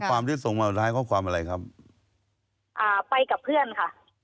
ความที่ส่งมาสุดท้ายข้อความอะไรครับอ่าไปกับเพื่อนค่ะ